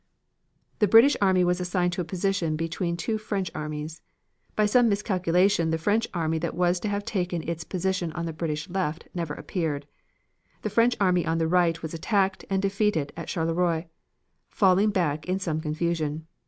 The British army was assigned to a position between two French armies. By some miscalculation, the French army that was to have taken its position on the British left, never appeared. The French army on the right was attacked and defeated at Charleroi, falling back in some confusion.